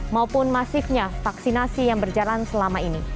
maupun masifnya vaksinasi yang berjalan selama ini